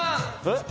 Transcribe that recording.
えっ？